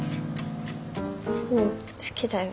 うん好きだよ。